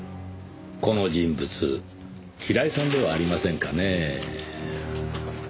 この人物平井さんではありませんかねぇ。